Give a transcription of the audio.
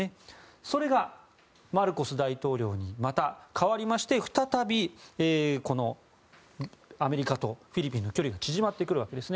それがマルコス大統領にまた代わりまして再びアメリカとフィリピンの距離が縮まってくるわけですね。